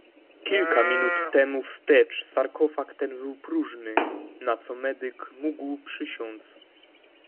"Kilka minut temu wstecz sarkofag ten był próżny, na co medyk mógł przysiąc."